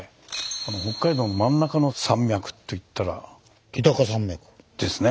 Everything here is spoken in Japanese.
この北海道の真ん中の山脈といったら？ですね！